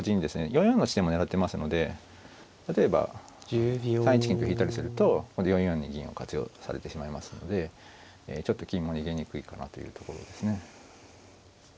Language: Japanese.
４四の地点も狙ってますので例えば３一金と引いたりすると４四に銀を活用されてしまいますのでちょっと金も逃げにくいかなというところですね。